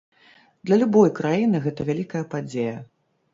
Для любой краіны гэта вялікая падзея.